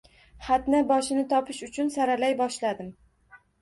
Xatni boshini topish uchun saralay boshladim.